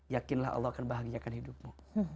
yakinlah allah akan bahagiakan hidupmu